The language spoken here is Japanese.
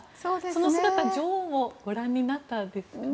その姿を女王もご覧になったんですよね。